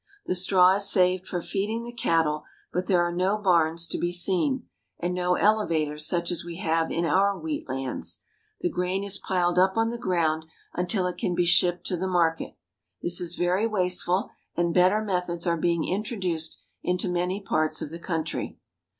The straw is saved for feeding the cattle, but there are no barns to be seen, and no elevators such as we have in our wheat lands. The grain is piled up on the ground until it can be shipped to the market. This is very wasteful, and better methods are being introduced into many parts of the country.